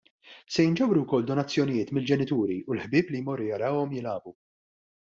Se jinġabru wkoll donazzjonijiet mill-ġenituri u l-ħbieb li jmorru jarawhom jilagħbu.